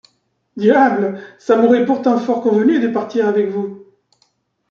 Diable! ça m’aurait pourtant fort convenu de partir avec vous.